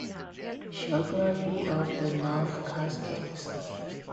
Geography of the North Cascades